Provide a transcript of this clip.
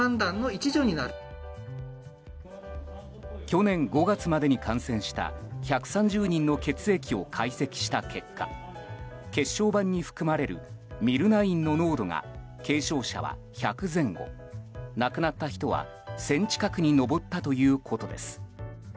去年５月までに感染した１３０人の血液を解析した結果血小板に含まれるＭｙｌ９の濃度が軽症者は１００前後亡くなった人は１０００近くに上ったということです。